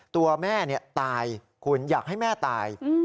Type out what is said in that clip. ตัวแม่ตายคุณอยากให้แม่ตาย